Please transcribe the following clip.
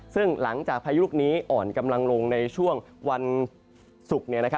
ซึ่งหลังจากพายุลูกนี้อ่อนกำลังลงในช่วงวันศุกร์